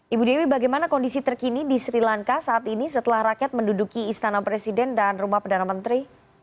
ibu dewi bagaimana kondisi terkini di sri lanka saat ini setelah rakyat menduduki istana presiden dan rumah perdana menteri